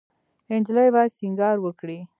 انجلۍ باید سینګار وکړي.